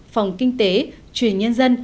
phòng kinh tế truyền nhân dân